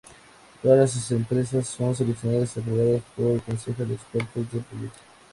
Todas las empresas son seleccionadas y aprobadas por el Consejo de Expertos del proyecto.